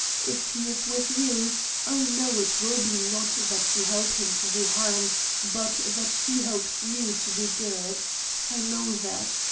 If he is with you, I know it will be not that you help him to do harm, but that he helps you to do good. I know that.